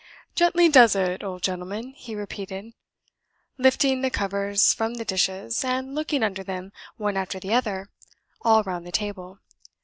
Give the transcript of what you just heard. "Gently does it, old gentleman," he repeated, lifting the covers from the dishes, and looking under them one after the other all round the table.